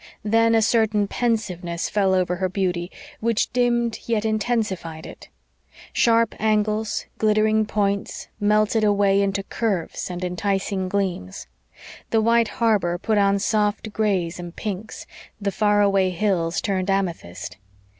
Then a certain pensiveness fell over her beauty which dimmed yet intensified it; sharp angles, glittering points, melted away into curves and enticing gleams. The white harbor put on soft grays and pinks; the far away hills turned amethyst.